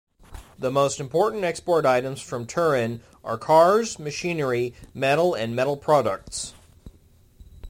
The most important export items from Turin are cars, machinery, metal and metal products.